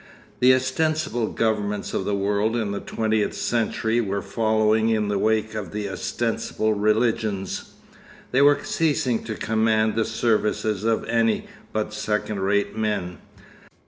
The ostensible governments of the world in the twentieth century were following in the wake of the ostensible religions. They were ceasing to command the services of any but second rate men.